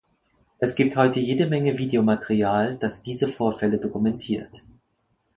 Es gibt heute jede Menge Videomaterial, das diese Vorfälle dokumentiert.